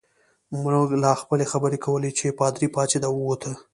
موږ لا خپلې خبرې کولې چې پادري پاڅېد او ووت.